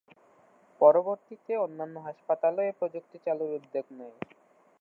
পরবর্তীতে অন্যান্য হাসপাতালও এ প্রযুক্তি চালুর উদ্যোগ নেয়।